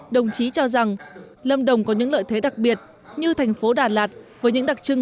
đồng chí cho rằng lâm đồng có những lợi thế đặc biệt như thành phố đà lạt với những đặc trưng